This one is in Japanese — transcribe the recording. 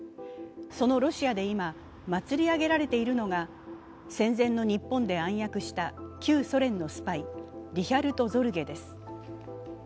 そのロシアで今、祭り上げられているのが戦前の日本で暗躍した旧ソ連のスパイリヒャルト・ゾルゲです。